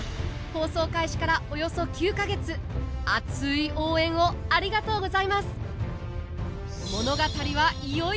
放送開始からおよそ９か月熱い応援をありがとうございます！